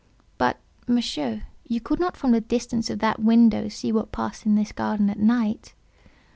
"But, Monsieur, you could not from the distance of that window see what passed in this garden at night?"